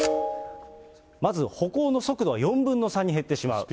まず歩行の速度は４分の３に減ってしまう。